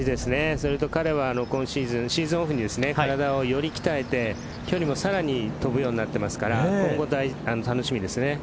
それと彼は今シーズンシーズンオフに体をより鍛えて距離もさらに飛ぶようになってますから今後が楽しみですね。